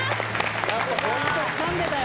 やっぱポイントつかんでたよ。